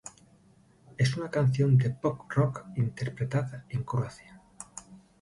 Es una canción pop-rock, interpretada en croata.